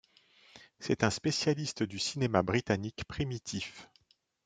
C'est un spécialiste du cinéma britannique primitif.